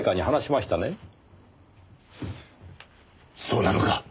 そうなのか？